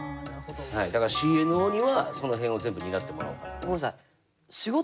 だからＣＮＯにはその辺を全部担ってもらおうかなって。